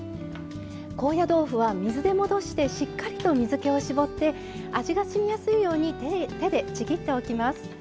高野豆腐は水で戻してしっかりと水けを絞って味がしみやすいように手でちぎっておきます。